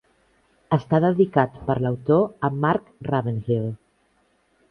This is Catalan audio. Està dedicat per l'autor a Mark Ravenhill.